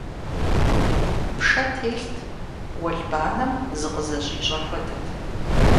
Пшэ телът, уэлбанэм зыкъызэщӀищӀэ хуэдэт.